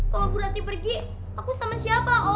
kalau bu rati pergi aku sama siapa